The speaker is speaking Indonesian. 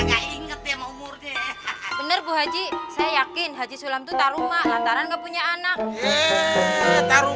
enggak inget ya umurnya bener bu haji saya yakin haji sulam taruh maklumnya anak taruh